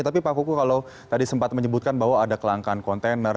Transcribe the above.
tapi pak kuku kalau tadi sempat menyebutkan bahwa ada kelangkaan kontainer